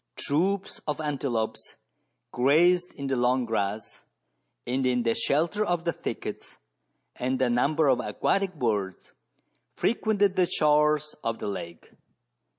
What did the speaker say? Troops of antelopes grazed in the long grass and in the shelter of the thickets, and a number of aquatic birds frequented the shores of the lake.